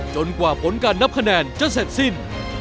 กว่าผลการนับคะแนนจะเสร็จสิ้น